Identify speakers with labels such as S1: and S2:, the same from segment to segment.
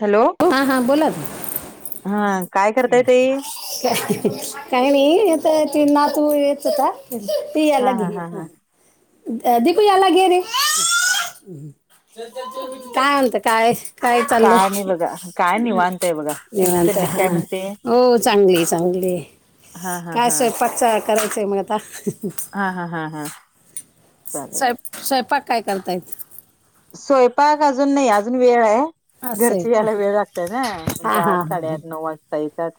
S1: Hello
S2: हा हां बोला ना.
S1: हा काय करताय ताई?
S2: काही नाही इथ ते नातू येत होता. ते
S1: हा
S2: याला घे
S1: हा हा हा.
S2: ह दीपू याला घे रे काय म्हणते काय काय चांलंय
S1: नाही बघा काय आहे बघा तुमची
S2: निवांत
S1: तब्येत
S2: हा
S1: काय म्हणते?
S2: हो चांगली चांगली
S1: हा हा
S2: काय
S1: हा
S2: स्वयंपाकच करायचंय मग आता
S1: हा हा हा हा चालेल
S2: स्वयं- स्वयंपाक काय करतायत
S1: स्वयंपाक अजून नाही अजून वेळ आहे
S2: असं आहे
S1: घरची
S2: का
S1: यायला वेळ लागतय ना म्हणजे
S2: हा
S1: आज
S2: हा
S1: साडेआठ
S2: हा
S1: नऊ वाजता येतात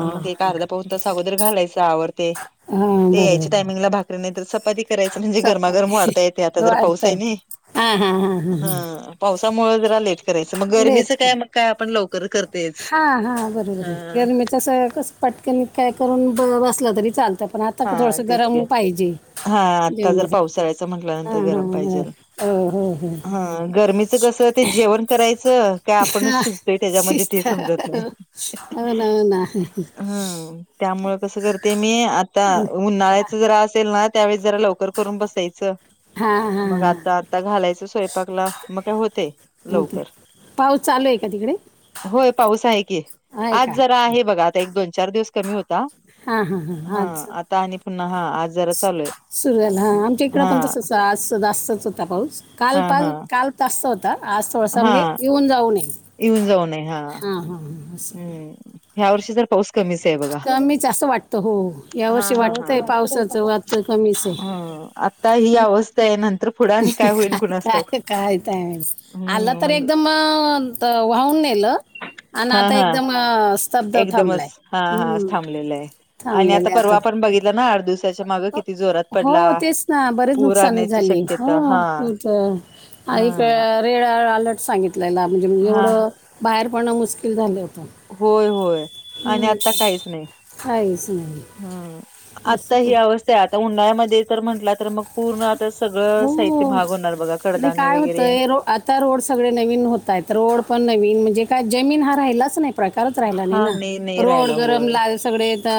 S2: हा
S1: मग एक अर्धा पाहून त अगोदर घालायच आवडते
S2: हा
S1: ते यायचे
S2: बरोबर
S1: टायमिंगला भाकरी नाही तर चपाती करायच म्हणजे गरमागरम वाढता येते आता जर पाऊस आहे ना
S2: हम् हम ह
S1: हा पावसामुळे जरा लेट करायचं मग
S2: लेट
S1: गरमीचं
S2: कर
S1: काय मग काय आपण लव
S2: हा हा बरोबर आहे गरमेचा स कस पटकन काय करून ब बसलं तरी चालत तर पण आता
S1: हा
S2: थोडस
S1: तेच की
S2: गरम पाहिजे
S1: हा आता जर
S2: जेवणाचा
S1: पावसाळ्याचं
S2: हा
S1: म्हटल्यानंतर
S2: हा
S1: गरम पाहिजेल.
S2: ह
S1: हा गर्मीच कस ते जेवण करायचं काय आपणच
S2: हा,
S1: शिजतोय त्याच्यामध्ये ते
S2: शिस्त
S1: समजत नाही
S2: हो ना हो ना
S1: हम्म त्यामुळे कसं करते मी उन्हाळ्याच जरा असेल ना त्यावेळेस जरा लवकर करून बसायचं
S2: हां हां
S1: मग
S2: हां.
S1: आता आता घालायचं स्वयंपाकला मग काय होते
S2: ओके
S1: लवकर
S2: पाऊस चालू आहे का तिकडे
S1: होय पाऊस आहे की
S2: आहे
S1: आज
S2: का
S1: जरा आहे बघा आता एक दोन चार दिवस कमी होतो
S2: हा हा हा आछ
S1: आणि पुन्हा हा आज जरा चालू आहे हा
S2: ज जास्तच होता पाऊस काल
S1: हा हा
S2: पाल काल तत होता आ आज थोडसा
S1: हा
S2: म्हणजे येऊन जाऊन ये हा ह
S1: ह
S2: ह
S1: ह्या वर्षी जर पाऊस कच ब
S2: कमीच असं वाटतं हो यावर्षी वाटतंय पावसाचं वाटतं कमीच आहे
S1: ता ही अवस्था आहे नंतर पुढं आणि होईल
S2: काय
S1: कुणास ठाऊक
S2: काय कायतय आलं
S1: हम्म
S2: तर
S1: म्हणजे
S2: एकदम वाहून नेलं आणि
S1: हा
S2: आता
S1: हा
S2: एकदम स्तब्ध
S1: एकदमच
S2: थांबलाय
S1: हा हा
S2: हम्
S1: थांबलेलं आहे. आणि आता परवा आपण बघितला ना आठ दिवस
S2: हो तेच ना बरेच
S1: पूर
S2: नुकसानी
S1: आणण्याची
S2: झाली हो
S1: शक्यता हा
S2: होत अ का
S1: ह
S2: रेड अलर्ट सांगितलेला म्हणजेजे
S1: हा
S2: एवढं बाहेर पडणं मुश्किल झालं होतं
S1: होय होय आणि
S2: हम्म,
S1: आता काहीच नाही
S2: काहीच नाही
S1: हम् आता
S2: असं तर
S1: ही अवस्था आता उन्हाळ्यामध्ये तर म्हटलं तर मग पूर्ण आता सगळं साहित्य
S2: हो
S1: भाग होणार बघा
S2: नाही
S1: कडधान्य
S2: काय
S1: वगैरे
S2: होतंय रो आता रोड सगळे नवीन होत आहेत रोड पण नवीन म्हणजे काय जमीन हा राहिलाच नाही राहि
S1: हा
S2: नाही रोड
S1: राहायला
S2: गरम
S1: होय.
S2: सग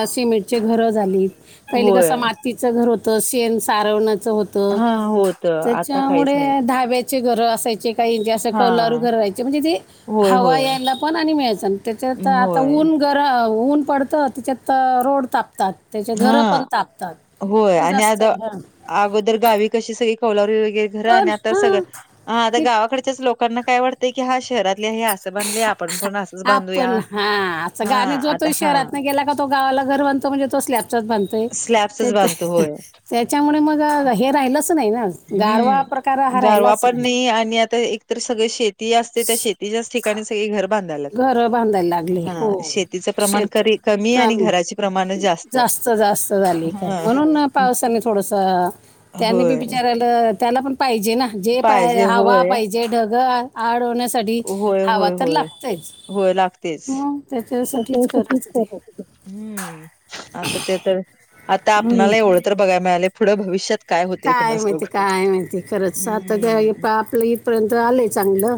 S2: सिमेंट घर झाली पहि
S1: होय
S2: कस तिचं घर होतं सेण सारवणाचं होत
S1: हा होत आता काहीच
S2: त्याच्यामुळे
S1: नाही
S2: धाब्याचे घर असायचे काहीचे असे
S1: हा
S2: कौलारू घर राहायचे म्हणजे ते
S1: होय
S2: हवा
S1: होय
S2: यायला पण आणि मिळायचं त्याच्या तर
S1: अं,
S2: आता
S1: होय
S2: ऊन घर ऊन पडतं त्याच्यात रोड तापतात त्याच्या
S1: हा
S2: घरं पण तापतात
S1: होय
S2: मग
S1: आणि
S2: जास्त
S1: आता
S2: आहे ह
S1: अगोदर गावी कशी सगळी कवलाी वगैरे घरं आणि
S2: कोण
S1: आता
S2: हा
S1: सगळं हा आता गावाकडच्याच लोकांना काय वाटतं की हा शहरातली हे आ असं बधले आपण पण असत
S2: आपण हा असं ग आणि जो
S1: आता
S2: तो
S1: हा
S2: शहरात नाही गेला का तो गावाला घर बनतो म्हणजे तो स्लॅबचाच बनतो
S1: स्लॅबच बांधतो होय
S2: त्याच्यामुळे मग हे राहिलच नाही ना गारवा प्रकार
S1: हम्म
S2: हा
S1: गारवा
S2: राहिलाच
S1: पण नाही आणि आता एकतर सगळ शेती असते त्या शेती जास्त
S2: घर बांधायला लागले
S1: हा
S2: हो
S1: शेतीचं प्रमाण
S2: शेत
S1: करी आणि
S2: कमी
S1: घराचे प्रमाण
S2: जास्त जास्त झाली ख म्हणून
S1: हा
S2: पावसाने थोडस त्यानी बी
S1: होय
S2: विचारायला त्याला पण पाहिजे ना जे पा
S1: पाहिजे
S2: हवा
S1: होय
S2: पा जे ढग आड हो
S1: होय होय होय. होय लागतेच.
S2: मग त्याच्यासाठीच
S1: [unintelligible]
S2: करत ते
S1: हम्म. हम्म. आता ते तर आता
S2: हम्म.
S1: आपणाला एवढं तर बघायला मिळालय पुढं भविष्यात होते
S2: काय
S1: कुणास ठाऊक
S2: माहिती? काय माहिती? खरंच [unintelligible]
S1: हम्म
S2: पा आपलं इथपर्यंत आलंय चांगलं.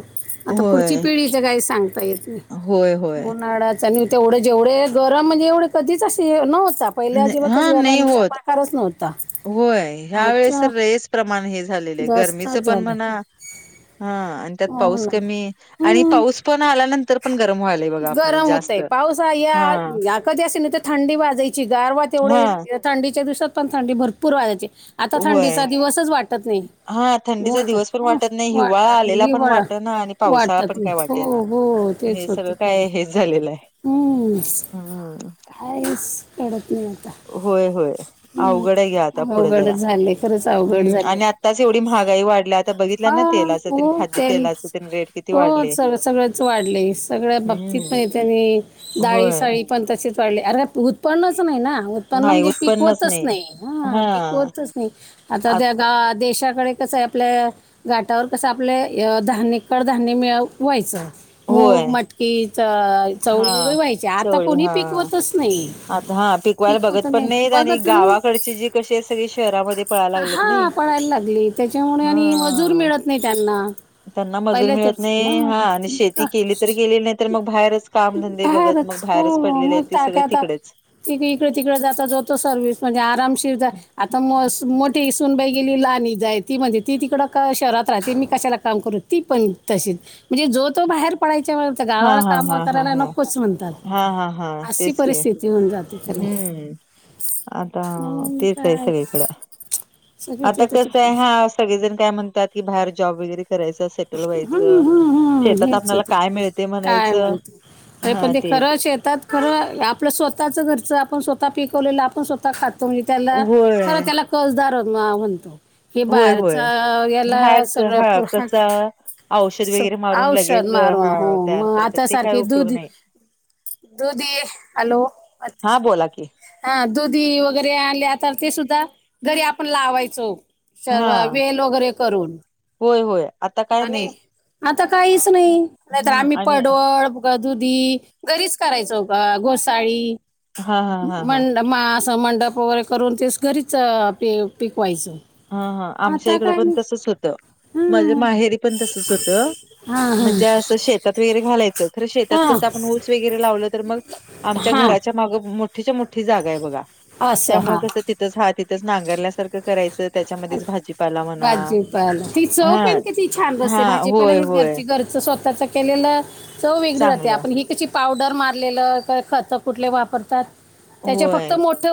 S2: आता पुढची
S1: होय
S2: पिढी च काय सांगता येत
S1: होय होय
S2: उन्हाळयाच आणि तेवढं जेवढे गरम म्हणजे एवढे कधीच असे न्हवत. पहिल्या अजिबातच
S1: हा नाही
S2: घरांचा
S1: होत
S2: प्रकारच नव्हता.
S1: होय. ह्या वेळेस
S2: आता
S1: लईच प्रमाण हे झालेलं गरमीचं
S2: जास्तच
S1: पण
S2: झालंय
S1: म्हणा हा आणि त्यात
S2: हो
S1: पाऊस
S2: ना
S1: कमी आणि
S2: हम्म.
S1: पाऊस पण आल्यानंतर पण गरम व्हायलाय बघा आपणाला जास्त.
S2: पाऊसा
S1: हा
S2: या ह कधी असे नाही तर थंडी वाजायची गारव
S1: हा
S2: तेवढे थंडीच्या दिवसात पण थंडी भरपूर वाजायची आता
S1: होय
S2: थंडीचा दिवसच वाटत नाही.
S1: हा. थंडीचा
S2: बोलतात
S1: दिवस पण
S2: हो
S1: वाटत नाही हिवाळा
S2: वाटतात
S1: आलेला
S2: ही
S1: पण
S2: वडा
S1: वाट ना आणि पावसाळा
S2: वाटतात
S1: पण
S2: मी
S1: काय
S2: हो
S1: वाटे ना.
S2: हो तेच
S1: हे
S2: होते
S1: सगळं काय हेच झालेलं आहे.
S2: हम्म.
S1: हम्म.
S2: काहीच कडत नाही आ
S1: होय होय. अवघड हाय घ्या आता पुढं ज
S2: अवघडच झाले खरंच अवघड
S1: हम्म
S2: झाले
S1: आणि आत्ताच एवढी महागाई वाढल्या आता बघितला
S2: हा
S1: ना तेलाच
S2: हो
S1: तेन खाद्य
S2: तेच
S1: तेलाचं तेन रेट किती
S2: हो.
S1: वाढले.
S2: सग सगळंच वाढलंय सगळ्या बाबतीत
S1: हम्म
S2: पण त्यांनी डाळी
S1: होय
S2: साळी पण तसेच वाढले अरे उत्पन्नच नाही ना उत्पन्न
S1: नाही
S2: म्हणजे
S1: उत्पन्नच
S2: पिकवतच नाही हा पिक होतच नाही. आता
S1: आत
S2: त्या ग देशाकडे कस आहे? आपल्या गाठावर कसं आपले धान्य, कडधान्य मिळ व्हायचं. मूग,
S1: होय
S2: मटकी च चवळी
S1: हा.
S2: वगैरे व्हायची. आता
S1: चवळी
S2: कोणी
S1: हा
S2: पिकवतच नाही.
S1: आता हा. पिकवायला बघत
S2: पिकवत
S1: पण
S2: नाही
S1: नाहीेत आणि
S2: बघत ना
S1: गावाकडची जी कशी हाय सगळे शहरामध्ये पळायला लागलेत ने.
S2: हा पडायला लागली त्याच्यामुळे आणि मजूर
S1: हा.
S2: मिळत नाही त्यांना
S1: त्यांना मजूरी
S2: पहिल्या
S1: मिळत
S2: तेच
S1: नाही
S2: मग
S1: हा आणि शेती केली, तर केली नाही तर मग बाहेरच काम धंदे बघत
S2: बाहेरच
S1: मग बाहेरच पडलेले आहे ते सगळ तिकडच.
S2: त इकडे तिकडे जाता जाता सर्व्हिस म्हणजे आरामशीर जा आता म स मोठी सुनबाई गेली, लाहणी जाय ती म्हणजे ती तिकडं क शहरात राहते मी कशाला काम करू? ती पण तशीच म्हणजे जो तो बाहेर पडायच्या तर
S1: हा
S2: गावाला
S1: हा
S2: काम
S1: हा हा
S2: करायला
S1: हा
S2: नकोच म्हणतात.
S1: हा हा हा
S2: अशी
S1: तेच की
S2: परिस्थिती होऊन जाते खरी.
S1: हम्म आता
S2: म्हणून
S1: तेच आहे
S2: काय
S1: सगळी कड.
S2: सगळी
S1: आता
S2: ते तशीच
S1: कसं आहे
S2: परिस्थिती
S1: हा सगळेजण काय म्हणतात की बाहेर जॉब वगैरे करायचं सेटल
S2: हम्म,
S1: व्हायचं.
S2: हम्म, हम्म.
S1: शेतात
S2: हेच
S1: आपल्याला काय मिळते म्हणायचं.
S2: अरे
S1: हा
S2: पण ते
S1: तेच
S2: खरं शेतात खरं आपलं स्वतःच घरच आपण स्वतः पिकवलेलं आपण स्वः ता खातो मी त्याला खरं
S1: होय
S2: त्याला कसदार म्हणतो. हे
S1: होय होय
S2: बाहेरचा गेला
S1: बाहेरच
S2: सगळ्या
S1: हा
S2: पुर
S1: कसं औषध
S2: स
S1: वगैरे मारून
S2: औषध
S1: लगेच
S2: मारून
S1: हा
S2: हो
S1: तयार
S2: मग
S1: करतात
S2: आता
S1: ते काय
S2: सारखे
S1: उपयोग
S2: दूध
S1: नाही
S2: दुदी हॅलो.
S1: हा बोला की
S2: हा दुधी वगैरे आणल्या तर ते सुद्धा घरी आपण लावायचो. सर्व
S1: हा
S2: वेल वगैरे करून.
S1: होय होय. आता
S2: मग
S1: काय
S2: आणि
S1: नाहीच.
S2: आता काहीच नाही नाही तर
S1: हम्म
S2: आम्ही
S1: आणि
S2: पडवळ ग दुधी घरीच करायचो हो का गोसाळी
S1: हा हा हा हा.
S2: मा असं मंडप वगैरे करून तेच घरीच पी पिकवायचं.
S1: हा हा. आमच्या इकडं पण तसच होतं माझे
S2: हा
S1: माहेरी पण तसच होतं.
S2: हा
S1: म्हणजे असं शेतात वगैरे घालायचं खरं शेतात
S2: हा
S1: कसं आपण ऊस वगैरे लावलं तर मग
S2: हा
S1: आमच्या
S2: हा
S1: घराच्या माग मोठीच्या मोठी जागा आहे बघा.
S2: असं हा
S1: त्यामुळे कस तिथ हा तिथ नांगरल्या सार करायचं त्याच्यामध्येच भाजीपाला म्हणा
S2: भाजीपाला ती चव
S1: हा,
S2: पण कि त छान
S1: हा
S2: रसते भाजीपाला
S1: होय, होय
S2: घरची घरच स्वतः केलेलं च वेग रा
S1: चांगलं
S2: आप ह त्या पावडर मारलेलं का खत कुठले वापरतात त्याच्या
S1: होय.
S2: फक्त मोठ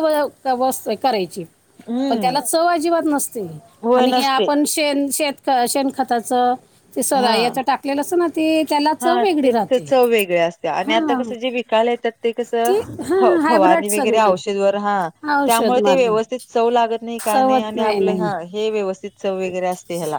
S2: करायची
S1: हम्
S2: सववा अजिबात नसते आणि हे आपण शेण शेत शेणखताचं ते सरा
S1: हा.
S2: याचं टाकलेलं अस ना ते त्याला चव
S1: हा
S2: वेगळी
S1: ते
S2: राहते
S1: चव वेगळ्या असत आणि आता
S2: हां
S1: कस जे विकाल येतात ते
S2: ती हां हायब्रिड
S1: फवारणी व
S2: सगळी
S1: औषध व ह
S2: औषध
S1: त्यामुळे
S2: मारलं
S1: व्यवस्थित च ला नाही काय नाही
S2: चवत
S1: आणि आपलं
S2: नाही
S1: ह हे व्यवस्थित च वगैरे असते ह्याला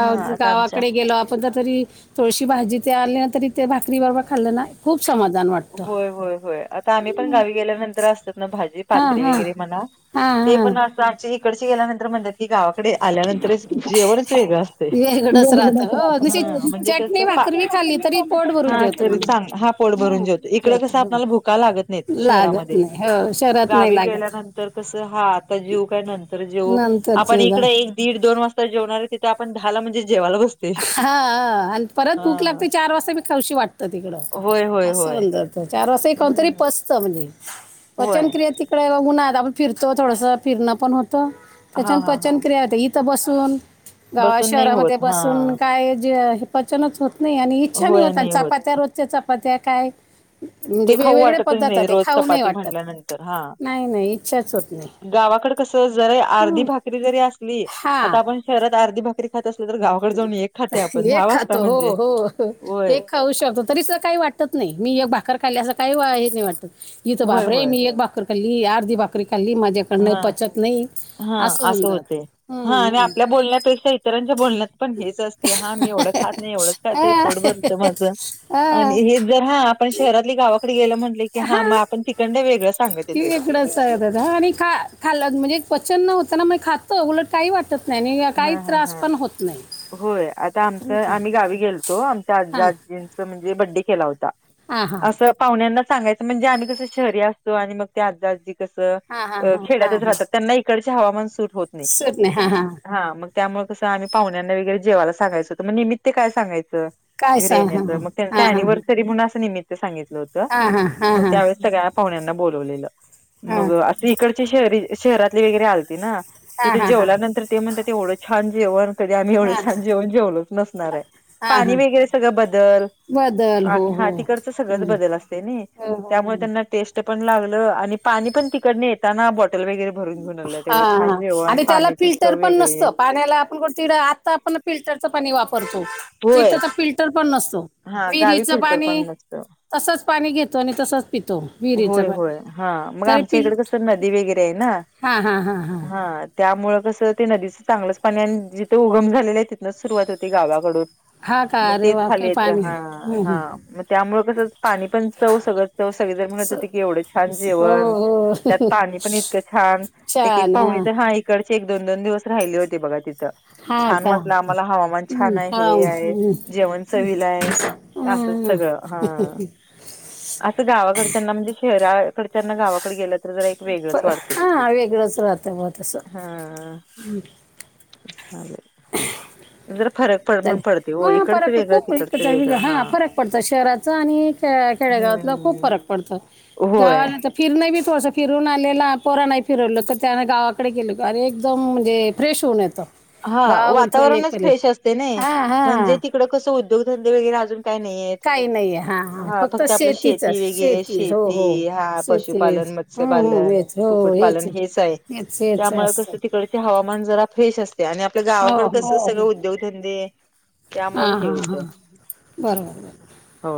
S1: ह आताम
S2: कडे गेलो आपण तरी थोडीशी भाजी ते आली ना तरी ते भाकरी बरोबर खाल्लं ना खूप समाधान वाटत
S1: होय होय होय आता आम्ही पण गावी गेल्यानंतर असतात ना भाजी
S2: हां
S1: पात्री
S2: हां
S1: वगैरे म्हणा
S2: हां
S1: ते
S2: हां
S1: पण असं आमचे इकडचे गेल्यानंतर म्हणतात गावाकडे आल्यानंतरच जेवणच वेगळ असते
S2: वेगळंच राहतं हो जशी
S1: राह म्हणजे कस
S2: चटणी भाकरी बी खाल्ली तरी पोट भरून
S1: हा
S2: जेवतो म्हणून
S1: सांग हा पोड
S2: हो
S1: भरूनेो त
S2: जेवतो हो
S1: कसला भुका लागत नाही
S2: लागत
S1: शहरामध्ये
S2: नाही हो शहरात
S1: गा
S2: नाही लागत
S1: गेल्या कस हा आता जेऊ का नंतर जे
S2: नंतर
S1: आपण
S2: जेव्हा
S1: इकडे दीड दोन वाजता जेवणार तिथे आपण दहालाणजे जेवायला बतो
S2: हा आणि परत भूक लागते चार वाजता मी खशी वाटत तिकडं
S1: होय होय होय
S2: असं म्हत चार वर्ष कोणतरी
S1: हम्म
S2: पचत म्हज पचन
S1: होय
S2: क्रिया तकडे बघ उन्हत आपण फिरतो थोडसं फिरण पण होतं
S1: हा
S2: त्याच्यान
S1: हा हा
S2: पचनक्रिया हो इ तथ बसून गावा
S1: बसून नाही
S2: शहरामध्ये
S1: होत हा
S2: बस काय पचनच होत नाही आणि इच्छा नाही होत चपात्या रोजच्या चपात्या काय
S1: ते
S2: म्हणजे
S1: खाऊ
S2: वेगवेगळे्या
S1: वाटतच नाही
S2: पद्धारथात
S1: रोज
S2: खाऊ नाही
S1: चपाती
S2: वाटतात
S1: म्हटल्यानंतर हा
S2: नाही नाही इच्छाच होत नाही
S1: गावाकड कस जरा अर्धी भाकरी जरी असली आता
S2: हा
S1: आपण शरात आर्धदी भाकरी खात असल तर गा
S2: एक खातो हो हो
S1: होय
S2: एक खाऊ शकतो तरी काही वाटत नाही मी एक भाकर खायल असं काही हे नाही वाटत इथं
S1: होय
S2: बापरे
S1: होय
S2: मी एक भाकरी खल्ली अर्धी भाकरी खल्ली माझ्या
S1: हा हा असं
S2: जात
S1: होते हा आणि आपल्या बोलण्यापेक्षा इतरांच्या बोलण्यात पण हेच असते हा मी एवढं खात नाही एवढंच खाते पोट भरत माझं आणि
S2: हा
S1: हेच जर हा आपण शहरातली गावाकडे गेलं म्हटले की हा मग आपण तिकंड वेगळं सांगत येते
S2: तड द आणि ख खल् म्हणजे पचन न होता ना म खातंलट काय वाटत नाही आणि काही
S1: हां, हां,
S2: त्रास
S1: हां.
S2: पण होत नाही
S1: होय आता आमच आम्ही गावी गेलतो आमच्या आजी
S2: हा
S1: आजींच म्हणजे बड्डे केला होता
S2: हा हा
S1: असं पाहुण्यांना सांगायचं म्हणजे आम्ही कसं शहरी असतो आणि मग ते आजी तस
S2: हा हा हा हा
S1: खेड्यातच
S2: हा
S1: राहतात त्यांना इकडचे हवामान सूट होत नाही
S2: सुट नाही हा हा
S1: हा मग त्यामुळे कस आम्ही पाहण्यांना वगैरे जेवाय सगायचो तर मग निमित् ते काय सांगयचं
S2: काय
S1: घिर
S2: सांग हा
S1: येण्याचं मग
S2: हा हा
S1: त्यांचा
S2: हा हा
S1: अनिव्हर्सरी म्हणून असं निमित्त
S2: हा हा हा
S1: होग त्या स्या ब
S2: हा
S1: इकडची शहरी शहरातली वगरे आलती ना
S2: हा
S1: तिथे
S2: हा हा हा
S1: जेवल्यानंतर ते म्हण ते एवढं छान जेव कधी आम्ही एवढं
S2: हा
S1: छान जेवण जेवलोच नसणार आहे
S2: हा
S1: पाणी
S2: हा
S1: वगैरे सगळं बदल
S2: बदल हो
S1: आणि हा
S2: हो
S1: तिकडच सगळच
S2: हं.
S1: बदल असते ना
S2: हो,
S1: त्यामुळे
S2: हो.
S1: त्यां टेस्ट पण लागलं आणि पाणी पण तिकडताना बॉटल वगरे भरून घेऊन आले
S2: हा
S1: तेवढे छान
S2: हा
S1: जेव आणि
S2: त्याला
S1: पाण्या
S2: फिल्टर पण नसतं पाण्याला आपण तं आता आपण फिल्टरचं पाणी वापरतो
S1: होय.
S2: तथचा फिल्टर पण नसतो
S1: हा गावी
S2: विरीच
S1: फिल्टर पण
S2: पाणी
S1: नसतं
S2: तसच पाणी घेतो आणि तसच पितो. विहिरीचं
S1: होय
S2: पाणी
S1: होय
S2: तरी पि
S1: ते ना हा त्यामुळं कसं ते नदीचं चांगलंच पाणी आणि जिथे उगम झाले आहे, तिथंच सुरुवात होती गावाकडून.
S2: हा का
S1: मग
S2: अरे
S1: तेच
S2: वा
S1: खाली
S2: काही
S1: येतं.
S2: पाणी
S1: हा
S2: हं,
S1: हा
S2: हं.
S1: मग त्यामुळे कसं पाणी पण चव सगळं त सगळी जर म्हणत
S2: स-
S1: होती की, एवढं छान
S2: स- हो
S1: जेवण.
S2: हो
S1: त्यात पाणी पण इतकं छान. एक एक
S2: छान
S1: पाहुणे
S2: हां
S1: तर हा इकडचे एक दोन दोन दिवस राहिले होते बघा तिथ.
S2: हा
S1: छान
S2: का
S1: वाटलं आम्हाला. हवामान
S2: हं,
S1: छान आहे.
S2: हा
S1: हे आहे.
S2: हं.
S1: जेवण चविला आहे. असच
S2: हम्म.
S1: सगळं हा असं गावाकडच्यांना म्हणजे शहराकडच्यांना गावाकडे गेलं तर जरा एक वेगळंच वाटते.
S2: हा वेगळंच राहत बवा तस.
S1: हा
S2: हम्म
S1: चालेल फरक पड म्हणून
S2: चालेल.
S1: पडते हो
S2: मग
S1: इकडचं
S2: फरक
S1: वेगळं
S2: खूप
S1: तिकडचं वेगळं हा
S2: आहे. फरक पडतो शहराचा आणि खेडेगावातला खूप
S1: हम्म
S2: फरक पडतो.
S1: होय
S2: फिरन बी थोडसं फिरून आलेला पोरांनाही फिरवलं. तर त्यान गावाकडे गेलो अरे एकदम म्हणजे फ्रेश होऊन येतो.
S1: हा वातावरणच फ्रेश असत.
S2: हां
S1: म्हणजे
S2: हां
S1: तिकडं कसं उद्योगधंदे वगैरे अजून काय नाहीये.
S2: काही नाही आहे हां हां
S1: हा फक्त आपलं शेती
S2: शेतीचंच
S1: वगरे
S2: शेतीच हो
S1: शेती
S2: हो
S1: हा
S2: शेती
S1: पशुपालन म मस्य
S2: हं हं
S1: पालन,
S2: हेच हो
S1: कुकडपालन हेच आहे.
S2: हेच
S1: त्यामुळे
S2: असतं
S1: कसं तिकड हवामान जरा फ्रेश असते. आणि आपल्या
S2: हो
S1: गावाकडे
S2: हो
S1: कस सगळ उद्योगधंदे
S2: हां
S1: त्यामुळे हे
S2: हां हां
S1: होतं
S2: बरोबर बरोबर.
S1: हो